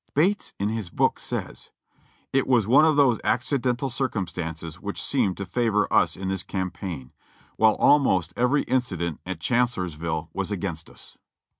Bates, in his book, says: "It was one of those accidental circumstances which seemed to favor us in this campaign, while almost every incident at Chan cellorsville was agfainst us."